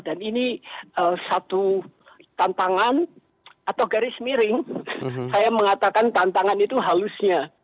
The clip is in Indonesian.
jadi saya mengatakan satu tantangan atau garis miring saya mengatakan tantangan itu halusnya